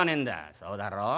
「そうだろう？